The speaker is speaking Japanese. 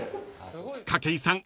［筧さん